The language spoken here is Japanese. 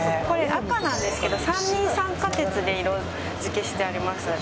赤なんですけど三二酸化鉄で色付けしております。